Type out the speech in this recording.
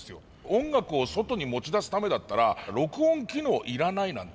音楽を外に持ち出すためだったら録音機能いらないなんて。